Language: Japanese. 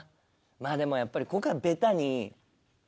まあでもやっぱりここはベタに。